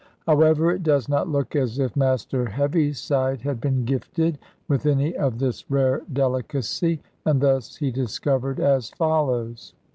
However, it does not look as if Master Heaviside had been gifted with any of this rare delicacy. And thus he discovered as follows.